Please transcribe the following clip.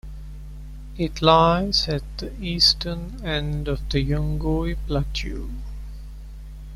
It lies at the eastern end of the Yungui Plateau.